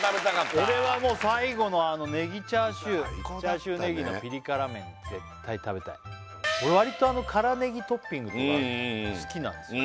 俺はもう最後のネギチャーシューチャーシュー葱のピリ辛麺絶対食べたい俺わりとあの辛ネギトッピングとか好きなんですよね